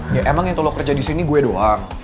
ya emang yang kalau kerja di sini gue doang